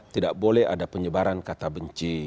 tidak boleh ada penyebaran kata benci